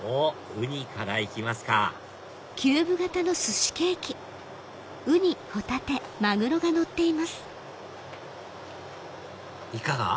ウニからいきますかいかが？